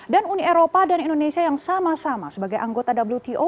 dan uni eropa dan indonesia yang sama sama sebagai anggota wto